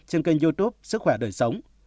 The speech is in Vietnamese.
trên kênh youtube sức khỏe đời sống